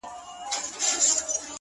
د خدای د حسن عکاسي د يتيم زړه کي اوسي!